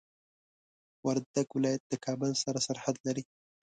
وردګ ولايت د کابل سره سرحد لري.